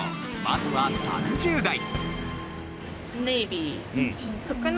まずは３０代。